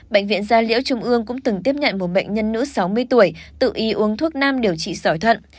bệnh viện gia liễu trung ương cũng từng tiếp nhận một bệnh nhân nữ sáu mươi tuổi tự ý uống thuốc nam điều trị sỏi thận